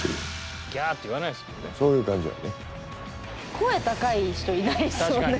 声高い人いないですよね。